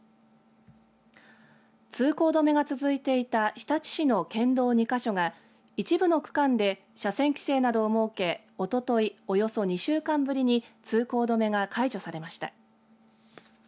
通行止めが続いていた日立市の県道２か所が一部の区間で車線規制などを設けおととい、およそ２週間ぶりに通行止めが解除されました。